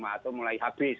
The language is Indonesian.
atau mulai habis